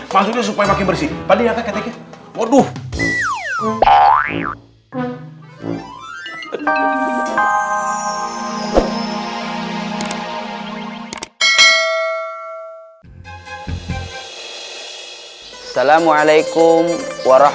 maksudnya supaya makin bersih